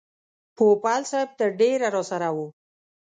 پوپل صاحب تر ډېره راسره و.